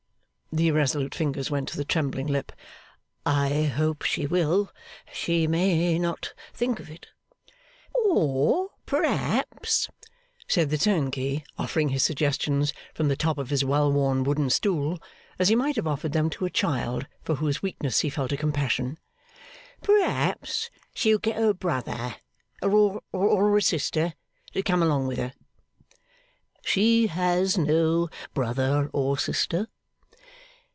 The irresolute fingers went to the trembling lip. 'I hope she will. She may not think of it.' 'Or p'raps,' said the turnkey, offering his suggestions from the the top of his well worn wooden stool, as he might have offered them to a child for whose weakness he felt a compassion, 'p'raps she'll get her brother, or her sister, to come along with her.' 'She has no brother or sister.